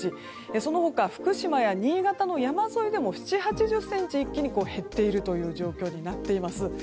その他、福島や新潟の山沿いでも７０８０ｃｍ一気に減っているという状況になっています。